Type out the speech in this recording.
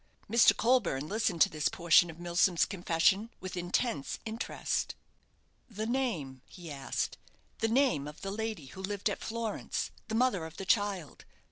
Mr. Colburne listened to this portion of Milsom's confession with intense interest. "The name?" he asked; "the name of the lady who lived at Florence, the mother of the child?